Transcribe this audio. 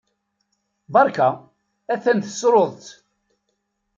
Berka! Atan tessruḍ-tt!